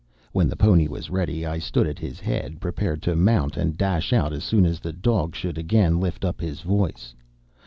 When the pony was ready, I stood at his head prepared to mount and dash out as soon as the dog should again lift up his voice.